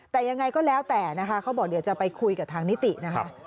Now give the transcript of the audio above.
แต่ยังไงก็แล้วแต่นะคะเขาบอกเดี๋ยวจะไปคุยกับทางนิตินะคะ